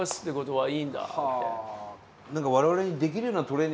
はい。